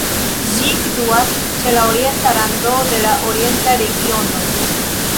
Ĝi situas ĉe la orienta rando de la Orienta Regiono.